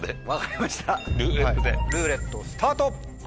ルーレットスタート！